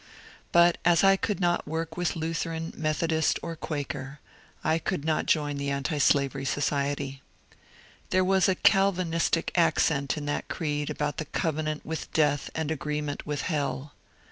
But as I could not work with Lutheran, Methodist, or Quaker, I could not join the Antislavery Society. There was a Calvinistic accent in that creed about the *' covenant with death and agreement with hell."